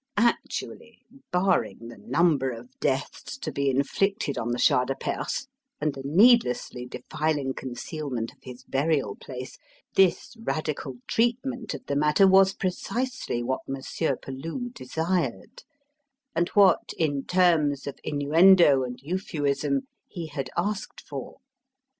Actually barring the number of deaths to be inflicted on the Shah de Perse, and the needlessly defiling concealment of his burial place this radical treatment of the matter was precisely what Monsieur Peloux desired; and what, in terms of innuendo and euphuism, he had asked for.